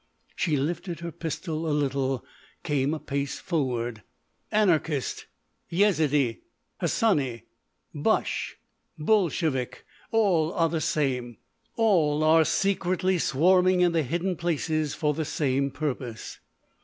She lifted her pistol a little, came a pace forward: "Anarchist, Yezidee, Hassani, Boche, Bolshevik—all are the same—all are secretly swarming in the hidden places for the same purpose!"